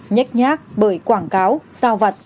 nhét nhát bởi quảng cáo giao vặt